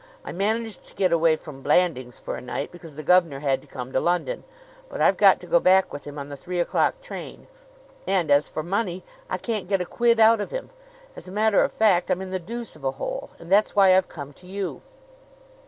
I managed to get away from Blandings for a night, because the gov'nor had to come to London; but I've got to go back with him on the three o'clock train. And, as for money, I can't get a quid out of him. As a matter of fact, I'm in the deuce of a hole; and that's why I've come to you."